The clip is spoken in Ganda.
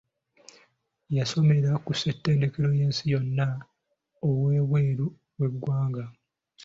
Yasomera ku ssettendekero y'ensi yonna ow'ebweru w'eggwanga.